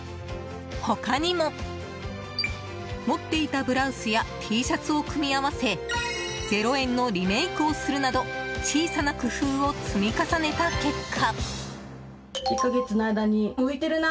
他にも、持っていたブラウスやＴシャツを組み合わせ０円のリメイクをするなど小さな工夫を積み重ねた結果。